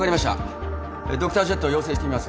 ドクタージェット要請してみます。